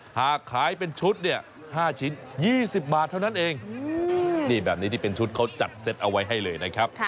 หากขายเป็นชุดเนี่ย๕ชิ้น๒๐บาทเท่านั้นเองนี่แบบนี้ที่เป็นชุดเขาจัดเซตเอาไว้ให้เลยนะครับ